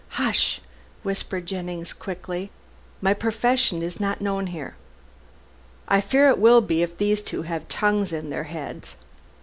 "Hush!" whispered Jennings quickly, "my profession is not known here." "I fear it will be if these two have tongues in their heads."